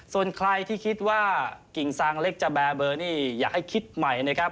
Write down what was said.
ส่วนใครที่คิดว่ากิ่งซางเล็กจะแบร์เบอร์นี่อยากให้คิดใหม่นะครับ